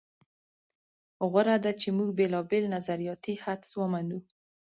غوره ده چې موږ بېلابېل نظریاتي حدس ومنو.